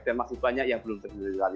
dan masih banyak yang belum terindulikan